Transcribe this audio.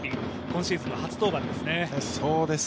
今シーズンの初登板ですね。